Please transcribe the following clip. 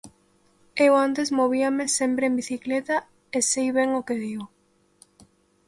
Eu antes movíame sempre en bicicleta e sei ben o que digo.